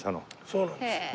そうなんです。